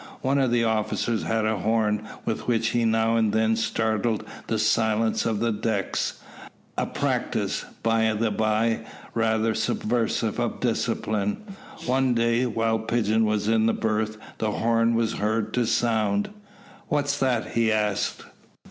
One of the officers had a horn with which he now and then startled the silence of the decks a practice, by the bye, rather subversive of discipline. One day, while Pigeon was in the berth, the horn was heard to sound. "What's that?" he asked.